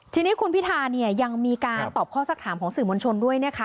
ทีนี้คุณพิธาเนี่ยยังมีการตอบข้อสักถามของสื่อมวลชนด้วยนะคะ